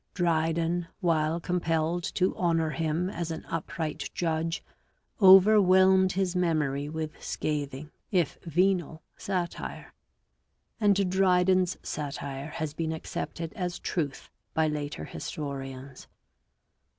Dryden, while compelled to honour him as an upright judge, over whelmed his memory with scathing, if venal, satire; and Dryden's satire has been accepted as truth by later historians.